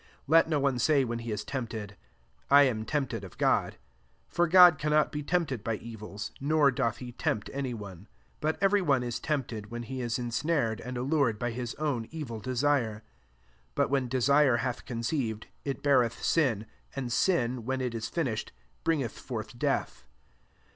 13 Let no one say, when he is tempted, " I am tempted of God ;" for God cannot be tempted by evils, nor doth he tempt any one. 14 But every one is tempted, when he is ensnared and allured by his own evil desire: 15 but when desire hath conceived, it beareth sin : and sin, when it is finished, bringeth forth death.